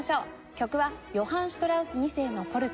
曲はヨハン・シュトラウス２世のポルカ